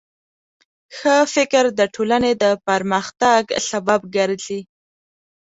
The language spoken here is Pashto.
ښه فکر د ټولنې د پرمختګ سبب ګرځي.